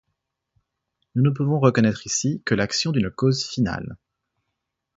Nous ne pouvons reconnaître ici que l'action d'une cause finale.